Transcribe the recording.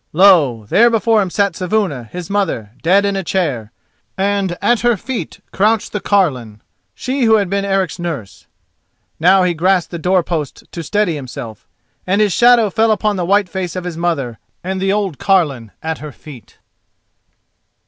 Lo! there before him sat Saevuna, his mother, dead in a chair, and at her feet crouched the carline—she who had been Eric's nurse. Now he grasped the door posts to steady himself, and his shadow fell upon the white face of his mother and the old carline at her feet.